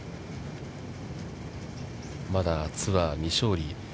まだツアー未勝利。